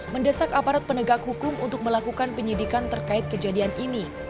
mendesak aparat penegak hukum untuk melakukan penyidikan terkait kejadian ini